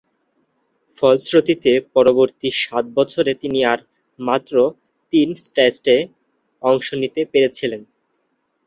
ফলশ্রুতিতে, পরবর্তী সাত বছরে তিনি আর মাত্র তিন টেস্টে অংশ নিতে পেরেছিলেন।